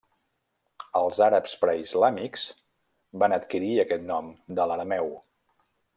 Els àrabs preislàmics van adquirir aquest nom de l'arameu.